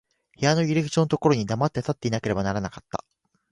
部屋の入口のところに黙って立っていなければならなかった。